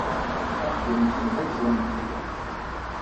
Axeddim-nsen d agzam n tidal.